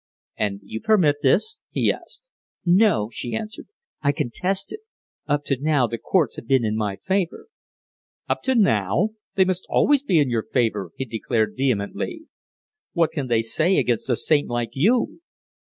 "And you permit this?" he asked. "No!" she answered, "I contest it. Up to now, the courts have been in my favour." "Up to now! They must always be in your favour!" he declared vehemently. "What can they say against a saint like you?"